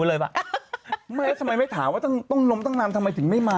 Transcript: แล้วทำไมไม่ถามว่าต้องล้มตั้งนานทำไมถึงไม่มา